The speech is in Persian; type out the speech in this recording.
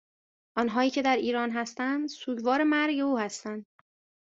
آنهایی که در ایران هستند سوگوار مرگ او هستند